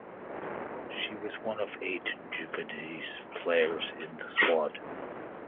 She was one of eight Juventus players in the squad.